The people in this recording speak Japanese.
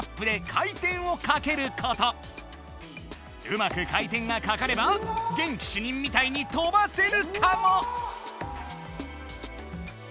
うまく回転がかかれば元気主任みたいに飛ばせるかも！